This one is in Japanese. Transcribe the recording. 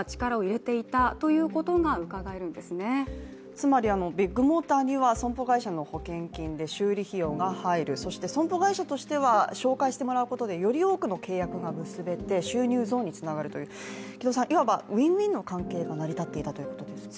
つまりビッグモーターには損保会社の保険金で修理費用が入る、そして損保会社としては紹介してもらうことでより多くの契約が結べて収入増につながるといういわばＷｉｎ−Ｗｉｎの関係が成り立っていたということですか？